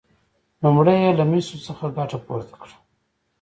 لومړی یې له مسو څخه ګټه پورته کړه.